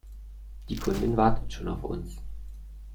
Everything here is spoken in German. Die Kundin wartet schon auf uns.